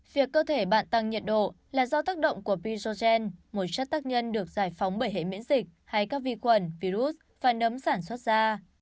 việc cơ thể bạn tăng nhiệt độ là do tác động của pizholgen một chất tác nhân được giải phóng bởi hệ miễn dịch hay các vi khuẩn virus và nấm sản xuất ra